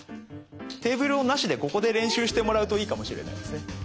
テーブルをなしでここで練習してもらうといいかもしれないですね。